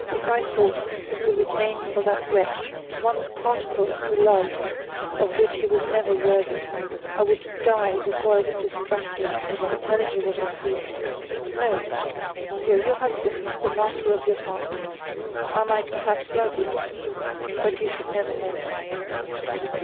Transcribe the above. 'If I thought that you retained for that wretch one particle of the love of which he was never worthy, I would die before I would distract you by telling you what I feel. No! were your husband the master of your heart, I might perhaps love you; but you should never know it.'